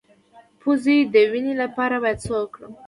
د پوزې د وینې لپاره باید څه وکړم؟